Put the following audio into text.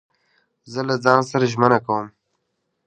زه له ځان سره ژمنه کوم.